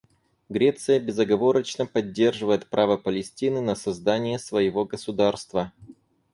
Греция безоговорочно поддерживает право Палестины на создание своего государства.